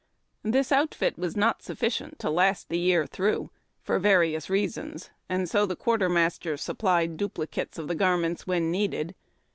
This outfit was not sufficient to last the year through, for various reasons, and so the quartermaster supplied dupli cates of the garments when needed.